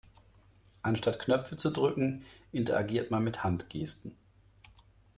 Anstatt Knöpfe zu drücken, interagiert man mit Handgesten.